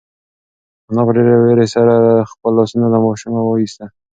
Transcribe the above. انا په ډېرې وېرې سره خپل لاسونه له ماشومه وایستل.